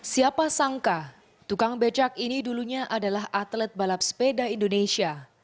siapa sangka tukang becak ini dulunya adalah atlet balap sepeda indonesia